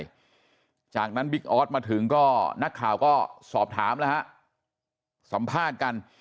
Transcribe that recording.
หลังจากนั้นบิ๊กออสมาถึงก็นักข่าวก็สอบถามแล้วฮะสัมภาษณ์กัน